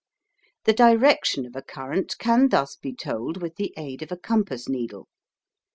The direction of a current can thus be told with the aid of a compass needle.